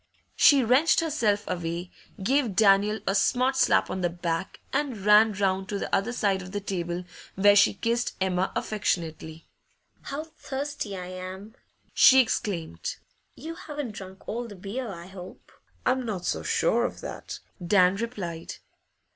She wrenched herself away, gave Daniel a smart slap on the back, and ran round to the other side of the table, where she kissed Emma affectionately. 'How thirsty I am!' she exclaimed. 'You haven't drunk all the beer, I hope.' 'I'm not so sure of that,' Dan replied.